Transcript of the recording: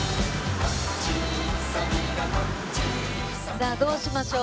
さあどうしましょうか？